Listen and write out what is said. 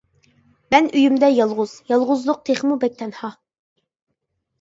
مەن ئۆيۈمدە يالغۇز، يالغۇزلۇق تېخىمۇ بەك تەنھا.